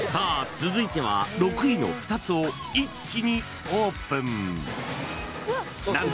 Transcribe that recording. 続いては６位の２つを一気にオープンなんと